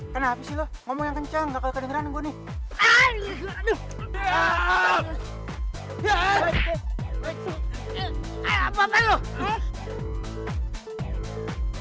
kenapa sih lo ngomong yang kenceng gak kelihatan gue nih